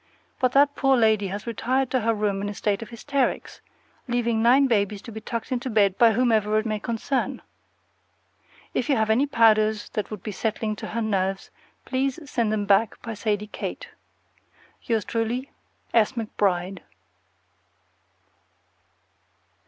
But that poor lady has retired to her room in a state of hysterics, leaving nine babies to be tucked into bed by whomever it may concern. If you have any powders that would be settling to her nerves, please send them back by Sadie Kate. Yours truly, S. McBRIDE.